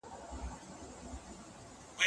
سایبر امنیتي څارنه د خطر کچه راکموي.